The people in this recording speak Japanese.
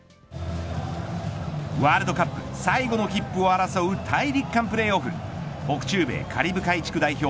ワールドカップ最後の切符を争う、大陸間プレーオフ。北中米カリブ海地区代表